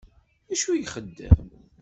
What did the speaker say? Acu ixeddem?